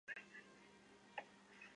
第二次只有两个国家。